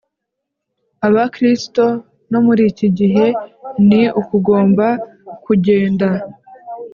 Abakristo No muri iki gihe ni uko bigomba kugenda